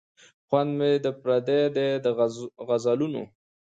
خوند مي پردی دی د غزلونو